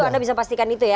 anda bisa pastikan itu ya